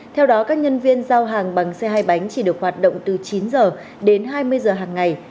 theo đó các nhân viên giao hàng bằng xe hai bánh chỉ được hoạt động từ chín h đến hai mươi giờ hàng ngày